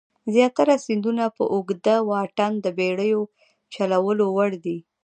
زیاتره سیندونه په اوږده واټن د بېړیو چلولو وړ دي.